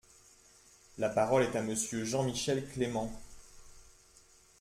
La parole est à Monsieur Jean-Michel Clément.